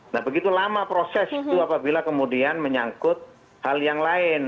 nah begitu lama proses itu apabila kemudian menyangkut hal yang lain